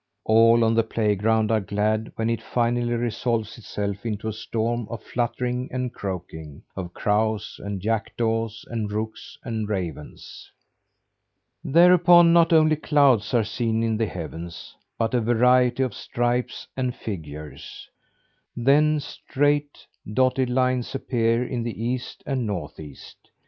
All on the playground are glad when it finally resolves itself into a storm of fluttering and croaking: of crows and jackdaws and rooks and ravens. Thereupon not only clouds are seen in the heavens, but a variety of stripes and figures. Then straight, dotted lines appear in the East and Northeast.